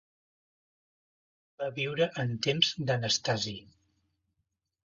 Va viure en temps d'Anastasi.